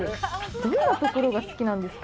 どんなところが好きなんですか？